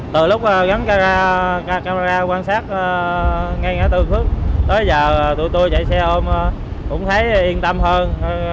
từ lúc gắn camera quan sát ngay ngã tư tới giờ tụi tôi chạy xe ôm cũng thấy yên tâm hơn